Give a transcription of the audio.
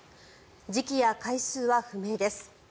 時期や回数は不明です。